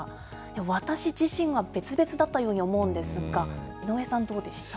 私自身が別々だったように思うんですが、井上さん、どうでした？